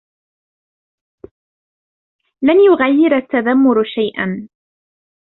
لن يغير التذمر شيئاً.